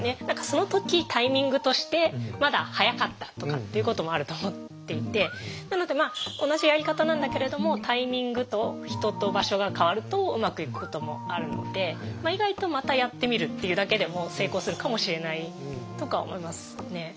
何かその時タイミングとしてまだ早かったとかっていうこともあると思っていてなのでまあ同じやり方なんだけれどもタイミングと人と場所が変わるとうまくいくこともあるのでまあ意外とまたやってみるっていうだけでも成功するかもしれないとか思いますね。